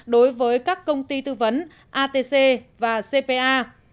đối với các công ty tư vấn atc và cpa